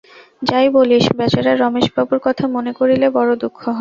যাই বলিস, বেচারা রমেশবাবুর কথা মনে করিলে বড়ো দুঃখ হয়।